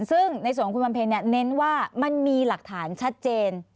ซึ่งในส่วนของคุณบำเพ็ญเน้นว่ามันมีหลักฐานชัดเจน